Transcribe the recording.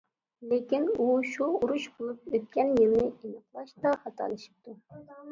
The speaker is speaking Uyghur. لېكىن ئۇ شۇ ئۇرۇش بولۇپ ئۆتكەن يىلنى ئېنىقلاشتا خاتالىشىپتۇ.